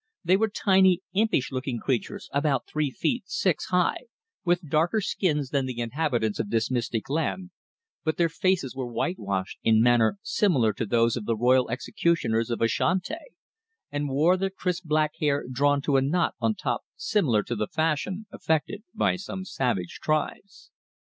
They were tiny, impish looking creatures about three feet six high, with darker skins than the inhabitants of this mystic land, but their faces were whitewashed in manner similar to those of the royal executioners of Ashanti, and wore their crisp black hair drawn to a knot on top similar to the fashion affected by some savage tribes.